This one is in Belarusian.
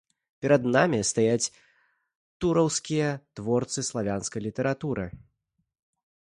Перад намі стаяць тураўскія творцы стараславянскай літаратуры.